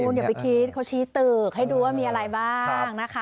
คุณอย่าไปคิดเขาชี้ตึกให้ดูว่ามีอะไรบ้างนะคะ